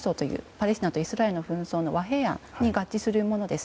パレスチナとイスラエルの和平案に合致するものです。